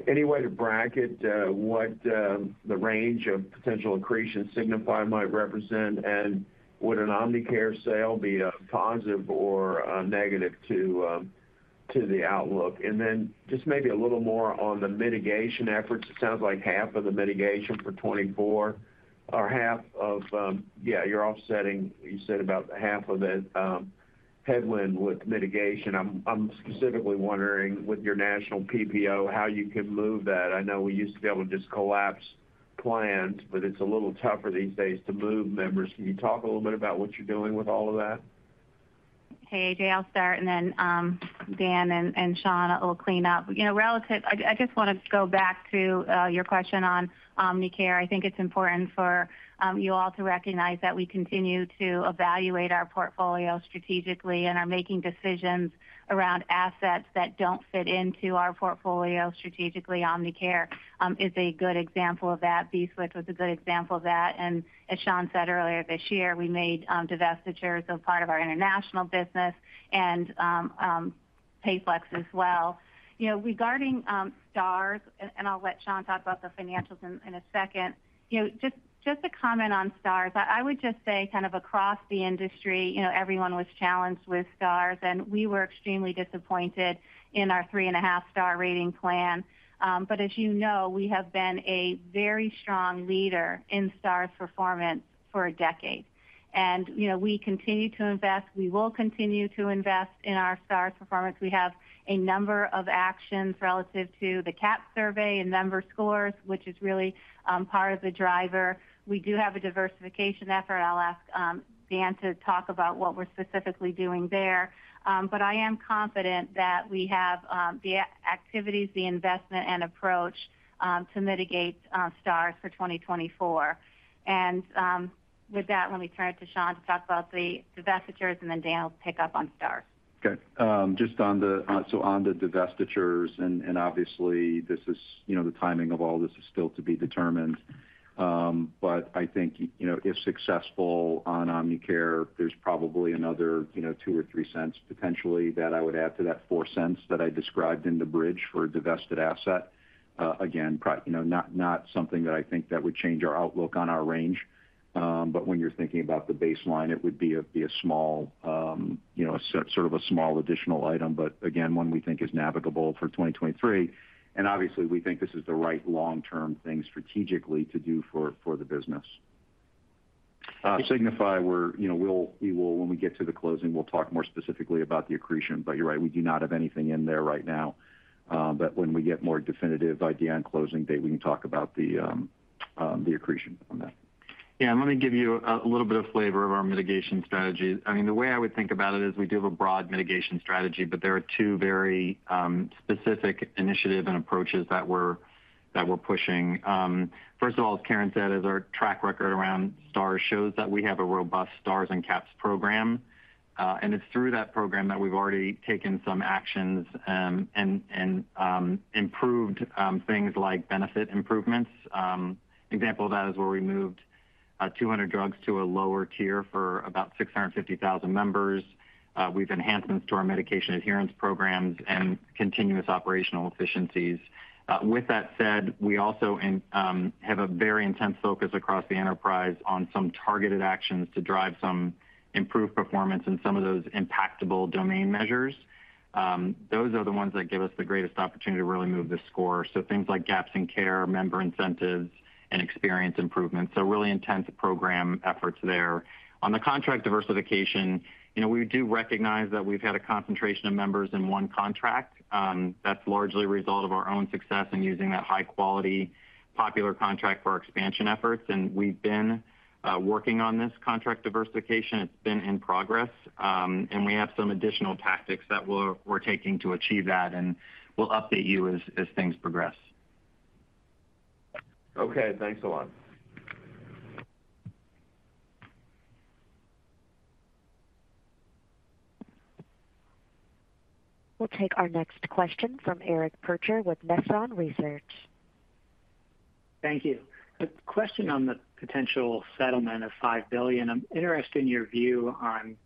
Any way to bracket what the range of potential accretion Signify might represent? Would an Omnicare sale be a positive or a negative to the outlook? Then just maybe a little more on the mitigation efforts. It sounds like half of the mitigation for 2024 or half of, you're offsetting, you said about half of it, headwind with mitigation. I'm specifically wondering with your national PPO, how you can move that. I know we used to be able to just collapse plans, but it's a little tougher these days to move members. Can you talk a little bit about what you're doing with all of that? Hey, Jay, I'll start, and then Dan and Shawn will clean up. You know, I just want to go back to your question on Omnicare. I think it's important for you all to recognize that we continue to evaluate our portfolio strategically and are making decisions around assets that don't fit into our portfolio strategically. Omnicare is a good example of that. Bswift was a good example of that. As Shawn said earlier this year, we made divestitures of part of our international business and PayFlex as well. You know, regarding Stars, and I'll let Shawn talk about the financials in a second. You know, just to comment on Stars. I would just say kind of across the industry, you know, everyone was challenged with Stars, and we were extremely disappointed in our 3.5-star rating plan. As you know, we have been a very strong leader in Stars performance for a decade. You know, we continue to invest, we will continue to invest in our Stars performance. We have a number of actions relative to the CAHPS survey and member scores, which is really part of the driver. We do have a diversification effort. I'll ask Dan to talk about what we're specifically doing there. I am confident that we have the activities, the investment, and approach to mitigate Stars for 2024. With that, let me turn it to Shawn to talk about the divestitures, and then Dan will pick up on Stars. Okay. Just on the divestitures, obviously this is, you know, the timing of all this is still to be determined. I think, you know, if successful on Omnicare, there's probably another, you know, $0.02 or $0.03 potentially that I would add to that $0.04 that I described in the bridge for a divested asset. Again, you know, not something that I think that would change our outlook on our range. When you're thinking about the baseline, it would be a small, you know, sort of a small additional item. Again, one we think is navigable for 2023. Obviously, we think this is the right long-term thing strategically to do for the business. Signify, when we get to the closing, we'll talk more specifically about the accretion. You're right, we do not have anything in there right now. When we get more definitive idea on closing date, we can talk about the accretion on that. Yeah. Let me give you a little bit of flavor of our mitigation strategy. I mean, the way I would think about it is we do have a broad mitigation strategy, but there are two very specific initiatives and approaches that we're pushing. First of all, as Karen said, is our track record around Stars shows that we have a robust Stars and CAHPS program. It's through that program that we've already taken some actions and improved things like benefit improvements. Example of that is where we moved 200 drugs to a lower tier for about 650,000 members. We've enhancements to our medication adherence programs and continuous operational efficiencies. With that said, we also have a very intense focus across the enterprise on some targeted actions to drive some improved performance in some of those impactable domain measures. Those are the ones that give us the greatest opportunity to really move the score. Things like gaps in care, member incentives, and experience improvements. Really intense program efforts there. On the contract diversification, you know, we do recognize that we've had a concentration of members in one contract. That's largely a result of our own success in using that high quality popular contract for our expansion efforts. We've been working on this contract diversification. It's been in progress. We have some additional tactics that we're taking to achieve that, and we'll update you as things progress. Okay. Thanks a lot. We'll take our next question from Eric Percher with Nephron Research. Thank you. A question on the potential settlement of $5 billion. I'm interested in your view on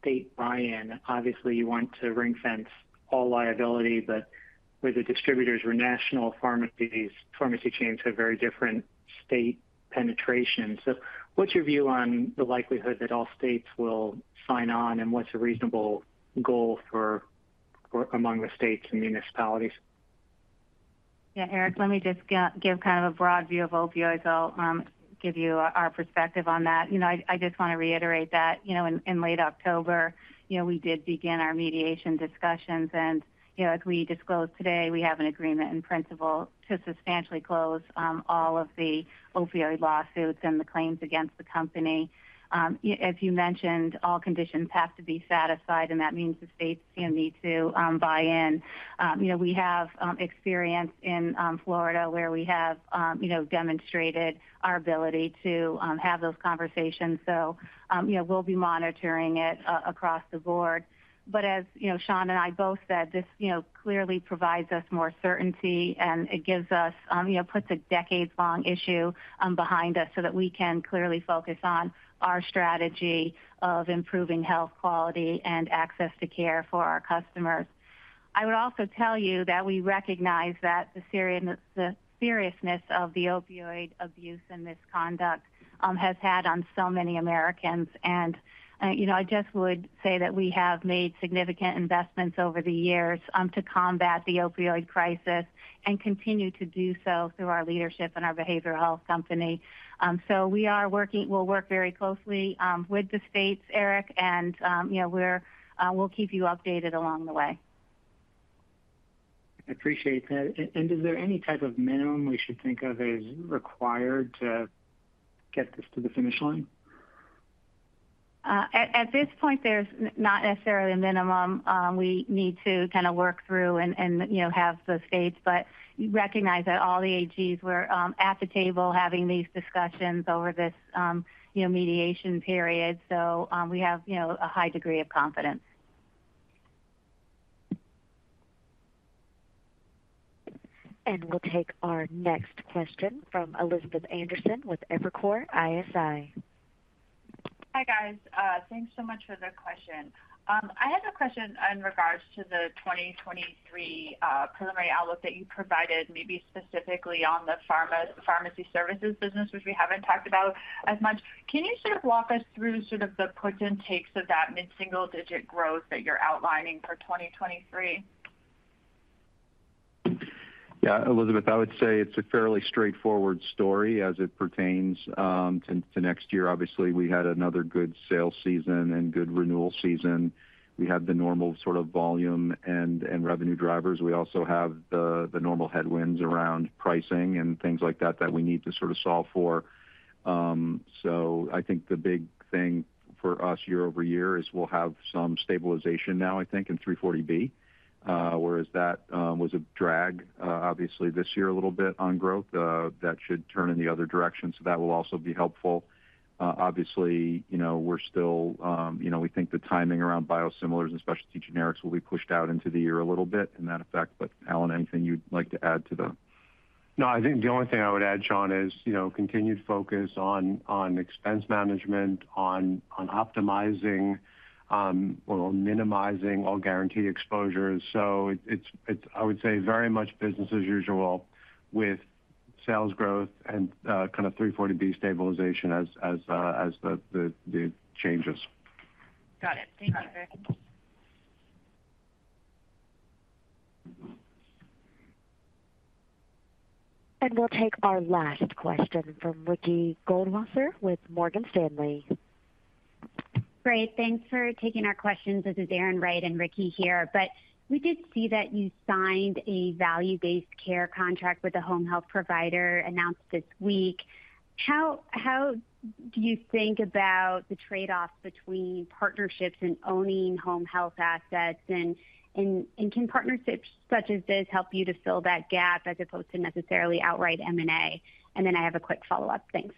state buy-in. Obviously, you want to ring-fence all liability, but with the distributors or national pharmacies, pharmacy chains have very different state penetration. What's your view on the likelihood that all states will sign on, and what's a reasonable goal for among the states and municipalities? Yeah, Eric Percher, let me just give kind of a broad view of opioids. I'll give you our perspective on that. You know, I just wanna reiterate that, you know, in late October, you know, we did begin our mediation discussions. You know, as we disclosed today, we have an agreement in principle to substantially close all of the opioid lawsuits and the claims against the company. If you mentioned, all conditions have to be satisfied, and that means the states, you know, need to buy in. You know, we have experience in Florida, where we have, you know, demonstrated our ability to have those conversations. You know, we'll be monitoring it across the board. As you know, Shawn and I both said, this you know clearly provides us more certainty, and it gives us you know puts a decades-long issue behind us so that we can clearly focus on our strategy of improving health quality and access to care for our customers. I would also tell you that we recognize that the seriousness of the opioid abuse and misconduct has had on so many Americans. I just would say that we have made significant investments over the years to combat the opioid crisis and continue to do so through our leadership and our behavioral health company. So we'll work very closely with the states, Eric, and you know, we'll keep you updated along the way. Appreciate that. Is there any type of minimum we should think of as required to get this to the finish line? At this point, there's not necessarily a minimum. We need to kinda work through and, you know, have those dates, but recognize that all the AGs were at the table having these discussions over this, you know, mediation period. We have, you know, a high degree of confidence. We'll take our next question from Elizabeth Anderson with Evercore ISI. Hi, guys. Thanks so much for the question. I had a question in regards to the 2023 preliminary outlook that you provided, maybe specifically on the pharmacy services business, which we haven't talked about as much. Can you sort of walk us through sort of the puts and takes of that mid-single digit growth that you're outlining for 2023? Yeah, Elizabeth, I would say it's a fairly straightforward story as it pertains to next year. Obviously, we had another good sales season and good renewal season. We had the normal sort of volume and revenue drivers. We also have the normal headwinds around pricing and things like that that we need to sort of solve for. So I think the big thing for us year-over-year is we'll have some stabilization now, I think, in 340B. Whereas that was a drag obviously this year a little bit on growth. That should turn in the other direction, so that will also be helpful. Obviously, you know, we're still. You know, we think the timing around biosimilars and specialty generics will be pushed out into the year a little bit in that effect. Alan, anything you'd like to add to that? No, I think the only thing I would add, Shaw, is, you know, continued focus on expense management, on optimizing or minimizing all guaranteed exposures. It's, I would say, very much business as usual with sales growth and kind of 340B stabilization as the changes. Got it. Thank you very much. We'll take our last question from Ricky Goldwasser with Morgan Stanley. Great. Thanks for taking our questions. This is Erin Wright and Ricky Goldwasser here. We did see that you signed a value-based care contract with a home health provider announced this week. How do you think about the trade-offs between partnerships and owning home health assets? Can partnerships such as this help you to fill that gap as opposed to necessarily outright M&A? Then I have a quick follow-up. Thanks.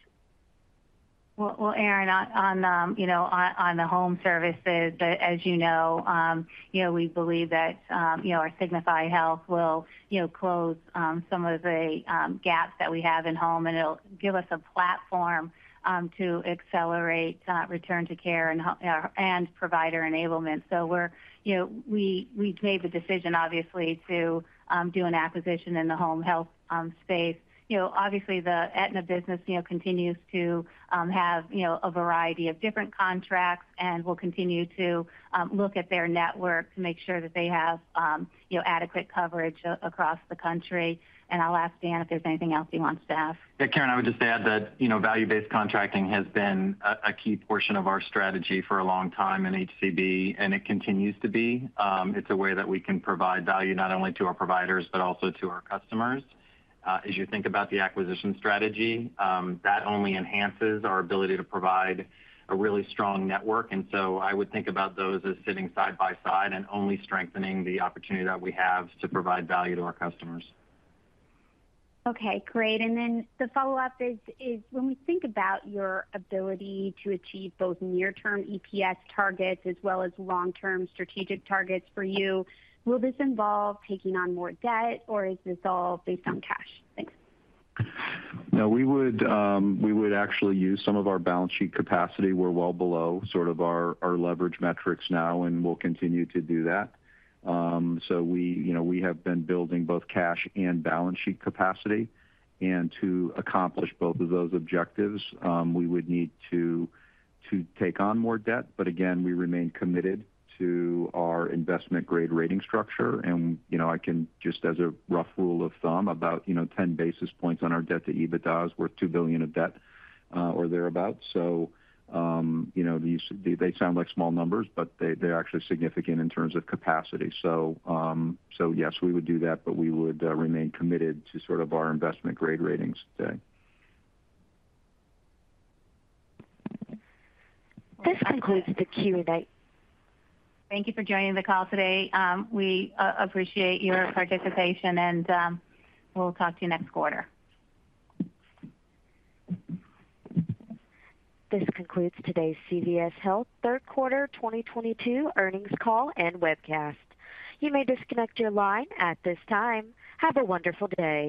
Well, Erin, on the home services, as you know, you know, we believe that, you know, our Signify Health will, you know, close some of the gaps that we have in-home, and it'll give us a platform to accelerate return to care and provider enablement. We're you know, we made the decision obviously to do an acquisition in the home health space. You know, obviously the Aetna business, you know, continues to have, you know, a variety of different contracts and will continue to look at their network to make sure that they have, you know, adequate coverage across the country. I'll ask Dan if there's anything else he wants to add. Yeah, Karen, I would just add that, you know, value-based contracting has been a key portion of our strategy for a long time in HCB, and it continues to be. It's a way that we can provide value not only to our providers, but also to our customers. As you think about the acquisition strategy, that only enhances our ability to provide a really strong network. I would think about those as sitting side by side and only strengthening the opportunity that we have to provide value to our customers. Okay, great. The follow-up is when we think about your ability to achieve both near-term EPS targets as well as long-term strategic targets for you, will this involve taking on more debt, or is this all based on cash? Thanks. No, we would actually use some of our balance sheet capacity. We're well below sort of our leverage metrics now, and we'll continue to do that. You know, we have been building both cash and balance sheet capacity. To accomplish both of those objectives, we would need to take on more debt. Again, we remain committed to our investment-grade rating structure. You know, I can just as a rough rule of thumb, about, you know, 10 basis points on our debt to EBITDA is worth $2 billion of debt, or thereabout. You know, they sound like small numbers, but they're actually significant in terms of capacity. Yes, we would do that, but we would remain committed to sort of our investment-grade ratings today. This concludes the Q&A. Thank you for joining the call today. We appreciate your participation, and we'll talk to you next quarter. This concludes today's CVS Health third quarter 2022 earnings call and webcast. You may disconnect your line at this time. Have a wonderful day.